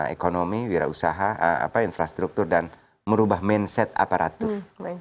ekonomi wirausaha infrastruktur dan merubah mindset aparatur